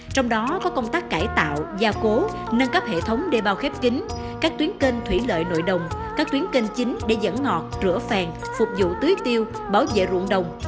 trong đó có công tác cải tạo gia cố nâng cấp hệ thống đê bao khép kính các tuyến kênh thủy lợi nội đồng các tuyến kênh chính để dẫn ngọt rửa phèn phục vụ tưới tiêu bảo vệ ruộng đồng